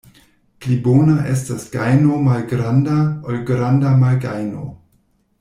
Pli bona estas gajno malgranda, ol granda malgajno.